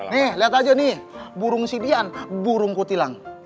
nih liat aja nih burung si dian burung kutilang